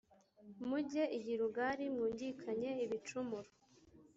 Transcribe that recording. Mujye i Giligali mwungikanye ibicumuro!